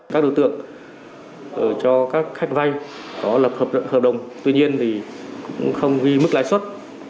các đối tượng cho các khách vay có lập hợp đồng tuy nhiên thì cũng không ghi mức lãi suất